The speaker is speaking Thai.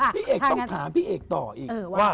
พี่เอกต้องถามพี่เอกต่ออีกว่า